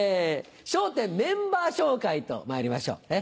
『笑点』メンバー紹介とまいりましょう。